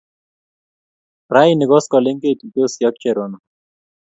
Raini koskoling' ketuitosi ak Cherono